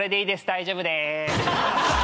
大丈夫でーす。